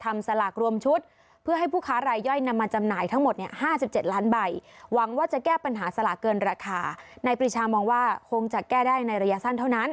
ในปรีชามองว่าคงจะแก้ได้ในระยะสั้นเท่านั้น